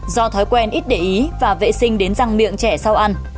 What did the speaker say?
do thói quen ít để ý và vệ sinh đến răng miệng trẻ sau ăn